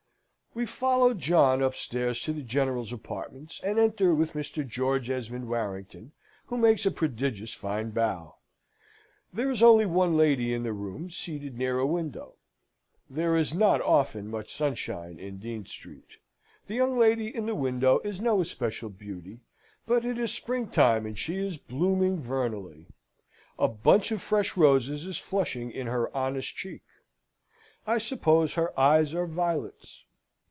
We follow John upstairs to the General's apartments, and enter with Mr. George Esmond Warrington, who makes a prodigious fine bow. There is only one lady in the room, seated near a window: there is not often much sunshine in Dean Street: the young lady in the window is no especial beauty: but it is spring time, and she is blooming vernally. A bunch of fresh roses is flushing in her honest cheek. I suppose her eyes are violets.